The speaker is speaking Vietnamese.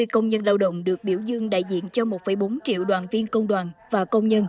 năm mươi công nhân lao động được biểu dương đại diện cho một bốn triệu đoàn viên công đoàn và công nhân